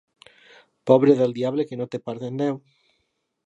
Pobre del diable que no té part en Déu.